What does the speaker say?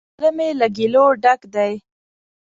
زړه می له ګیلو ډک دی